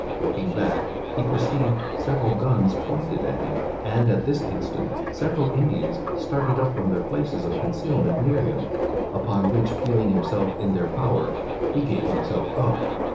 Looking back, he perceived several guns pointed at him, and at this instant several Indians started up from their places of concealment near him; upon which, feeling himself in their power, he gave himself up.